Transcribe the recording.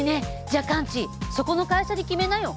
じゃあカンチそこの会社に決めなよ。